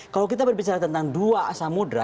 kalau kita berbicara tentang dua asam mudra